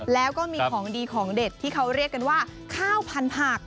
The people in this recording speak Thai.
แล้วก็มีของดีของเด็ดที่เขาเรียกกันว่าข้าวพันผัก